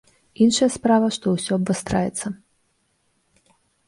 Іншая справа, што усё абвастраецца.